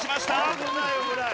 危ない危ない。